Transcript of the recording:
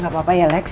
gak apa apa ya lex